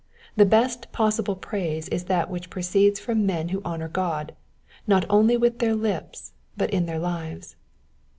The best possible praise is that which proceeds from men' who honour God. not only with their lips, but in their lives.